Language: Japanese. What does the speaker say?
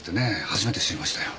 初めて知りましたよ。